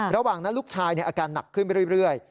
ระหว่างนั้นลูกชายอาการหนักขึ้นไปเรื่อย